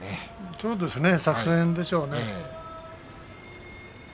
そうですね作戦ですね。